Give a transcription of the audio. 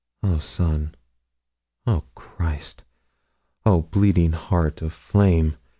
O Sun, O Christ, O bleeding Heart of flame!